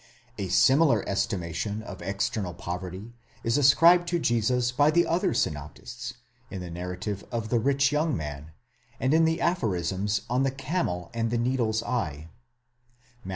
A similar estimation of external poverty is ascribed to Jesus by the other synoptists, in the narrative of the rich young man, and in the aphorisms on the camel and the needle's eye (Matt.